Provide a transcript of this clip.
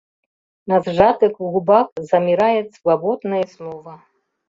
На сжатых губах замирает свободное слово.